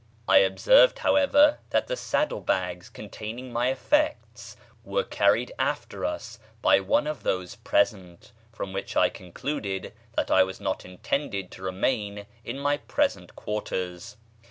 I observed, however, that the saddle bags containing my effects were carried after us by one of those present; from which I concluded that I was not intended to remain in my present quarters.